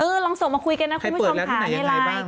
เออลองส่งมาคุยกันนะคุณไม่ความถามในไลน์